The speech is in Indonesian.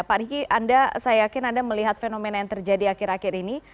pak riki saya yakin anda melihat fenomena yang terjadi akhir akhir ini